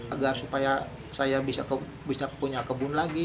agar supaya saya bisa punya kebun lagi